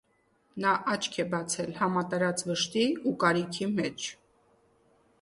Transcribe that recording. Նա աչք է բացել համատարած վշտի ու կարիքի մեջ։